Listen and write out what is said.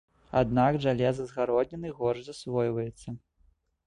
Аднак жалеза з гародніны горш засвойваецца.